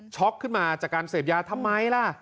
ขึ้นมาจากการเสพยาทำไมล่ะ